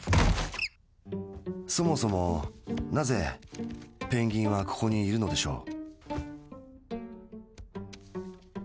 そもそもなぜペンギンはここにいるのでしょう。